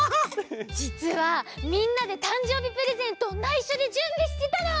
じつはみんなでたんじょうびプレゼントをないしょでじゅんびしてたの！